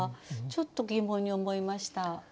ちょっと疑問に思いました。